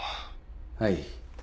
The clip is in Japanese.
はい。